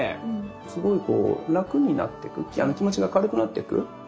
すごい楽になってく気持ちが軽くなっていく。